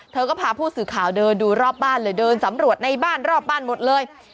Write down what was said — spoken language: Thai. เธอก็พาผู้สื่อข่าวเดินดูรอบบ้านเลยเดินสำรวจในบ้านรอบบ้านหมดเลย